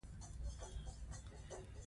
ټول ټولګیوال له دوو استادانو سره روانیږي.